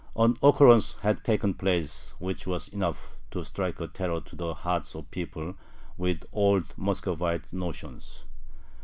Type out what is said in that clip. An occurrence had taken place which was enough to strike terror to the hearts of people with old Muscovite notions.